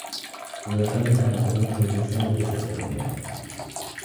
La famille d'Arenthon pourrait descendre de cette dernière.